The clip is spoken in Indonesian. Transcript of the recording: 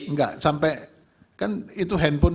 enggak sampai kan itu handphone